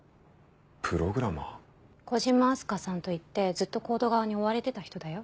プログラマー？小島明日香さんといってずっとＣＯＤＥ側に追われてた人だよ。